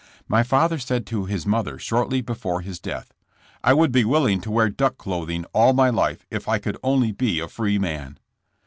My father said to his mother shortly before his death: ''I would be willing to wear duck clothing all my life if I could only be a free man.'